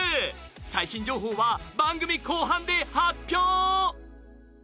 最新情報は番組後半で発表。